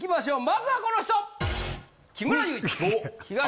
まずはこの人！